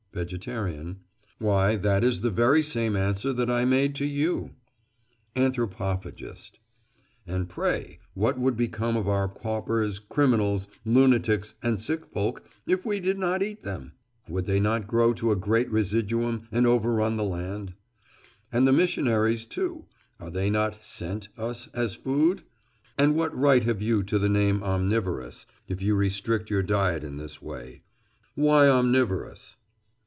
VEGETARIAN: Why, that is the very same answer that I made to you! ANTHROPOPHAGIST: And pray, what would become of our paupers, criminals, lunatics, and sick folk, if we did not eat them? Would they not grow to a great residuum and overrun the land? And the missionaries, too—are they not "sent" us as food? And what right have you to the name omnivorous, if you restrict your diet in this way? Why "omnivorous"?